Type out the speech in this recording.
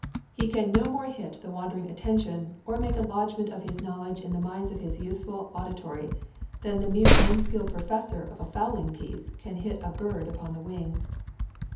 He can no more hit the wandering attention, or make a lodgment of his knowledge in the minds of his youthful auditory, than the mere unskilled possessor of a fowling piece can hit a bird upon the wing.